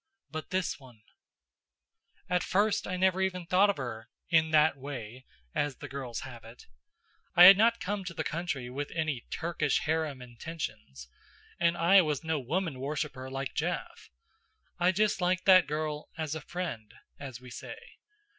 But this one At first I never even thought of her "in that way," as the girls have it. I had not come to the country with any Turkish harem intentions, and I was no woman worshipper like Jeff. I just liked that girl "as a friend," as we say.